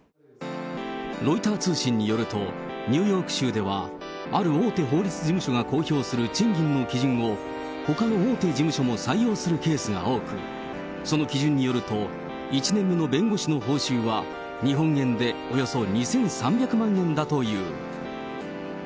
ロイター通信によると、ニューヨーク州では、ある大手法律事務所が公表する賃金の基準を、ほかの大手事務所も採用するケースが多く、その基準によると、１年目の弁護士の報酬は日本円でおよそ２３００万円だという。